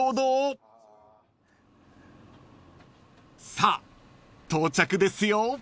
［さあ到着ですよ］